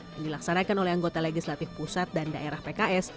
yang dilaksanakan oleh anggota legislatif pusat dan daerah pks